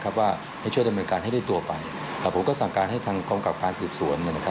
เราไม่ได้ตัวไปผมก็สั่งการให้ทางครองกับสืบสวน